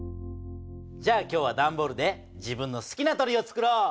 じゃあ今日はだんボールで自分の好きな鳥をつくろう！